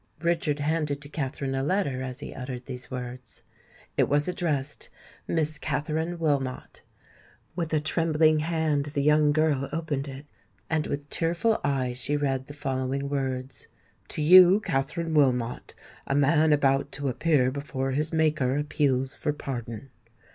Richard handed to Katherine a letter, as he uttered these words. It was addressed, "Miss Katherine Wilmot." With a trembling hand the young girl opened it; and with tearful eyes she read the following words:— "To you, Katherine Wilmot, a man about to appear before his Maker appeals for pardon.